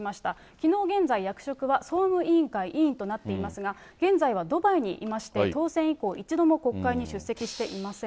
きのう現在役職は総務委員会委員となっていますが、現在はドバイにいまして、当選以降一度も国会に出席していません。